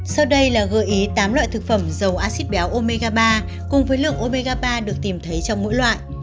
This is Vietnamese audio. sau đây là gợi ý tám loại thực phẩm dầu acid béo omega ba cùng với lượng obegapa được tìm thấy trong mỗi loại